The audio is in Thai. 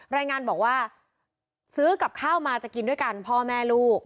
รายงานบอกว่าซื้อกับข้าวมาจะกินด้วยกันพ่อแม่ลูก